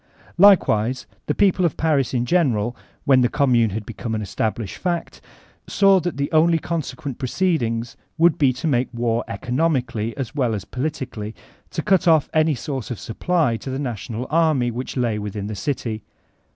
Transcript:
Likewise the people of Paris in general, when the Commune had be* come an established fact, saw that the only consequent pfoceediqg would be to make war economically as well as 246 VOLTAIRINB DE ClBYBB politically, to cut off any source of supply to the national army which lay within the city.